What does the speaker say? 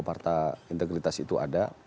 parta integritas itu ada